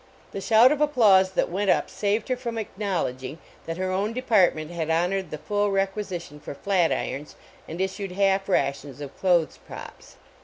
*" 1 he shout of applause that went up saved her from acknowledging that her own department had honored the full requisition for flat irons and issued half rations of clothes props.